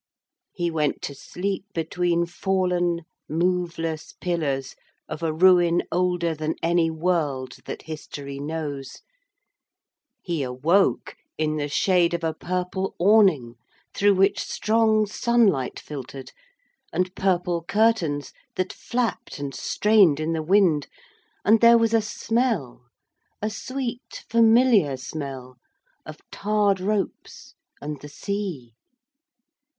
He went to sleep between fallen moveless pillars of a ruin older than any world that history knows. He awoke in the shade of a purple awning through which strong sunlight filtered, and purple curtains that flapped and strained in the wind; and there was a smell, a sweet familiar smell, of tarred ropes and the sea.